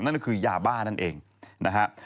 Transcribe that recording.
นั่นก็คือยาบ้านั่นเองนะฮะ